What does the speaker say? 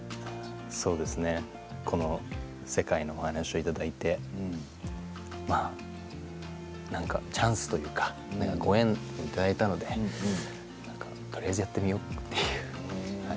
この世界のお話をいただいて何か、チャンスというかご縁をいただいたのでとりあえずやってみようと。